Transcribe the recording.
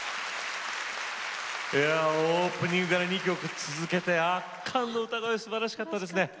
オープニングから２曲続けて圧巻の歌声すばらしかったですね。